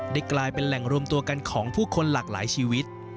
กลายเป็นแหล่งรวมตัวกันของผู้คนหลากหลายชีวิต